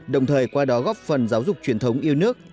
đồng thời qua đó góp phần giáo dục truyền thống yêu nước